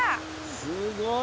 すごい！